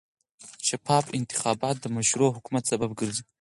شفاف انتخابات د مشروع حکومت سبب ګرځي